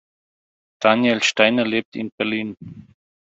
Daniel Steiner lebt in Berlin.